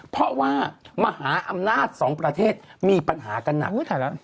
เพราะว่ามหาอำนาจสองประเทศมีปัญหากันหนัก